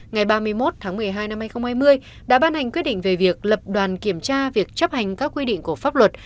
ngày ba mươi một tháng một mươi hai năm hai nghìn hai mươi đã ban hành quyết định về việc lập đoàn kiểm tra việc chấp hành các quy định của pháp luật